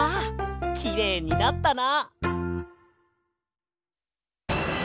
きれいになったな。